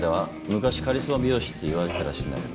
昔カリスマ美容師っていわれてたらしいんだけど。